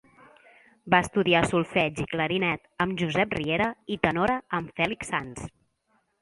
Va estudiar solfeig i clarinet amb Josep Riera i tenora amb Fèlix Sans.